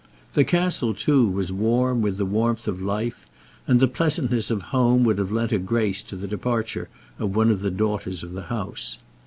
The castle too was warm with the warmth of life, and the pleasantness of home would have lent a grace to the departure of one of the daughters of the house.